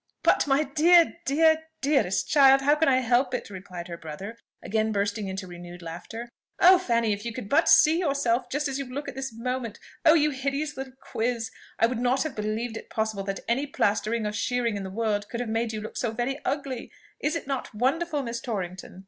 "But, my dear, dear, dearest child! how can I help it?" replied her brother, again bursting into renewed laughter. "Oh, Fanny, if you could but see yourself just as you look at this moment! Oh! you hideous little quiz! I would not have believed it possible that any plastering or shearing in the world could have made you look so very ugly. Is it not wonderful, Miss Torrington?"